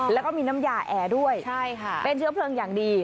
แล้วก็มีน้ำยาแอร์ด้วยเป็นเชื้อเพลิงอย่างดี